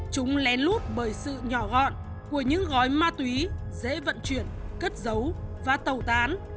chúng lén lút bởi sự nhỏ gọn của những gói ma túy dễ vận chuyển cất giấu và tẩu tán